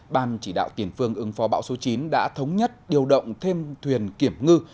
ban chỉ đạo tiền phương ứng phó bão số chín đã thống nhất điều động thêm thuyền kiểm ngư